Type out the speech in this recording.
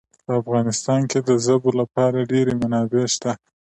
په افغانستان کې د ژبو لپاره ډېرې منابع شته دي.